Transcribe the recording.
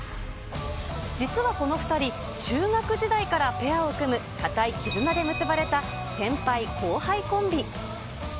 実はこの２人、中学時代からペアを組む、固い絆で結ばれた先輩、後輩コンビ。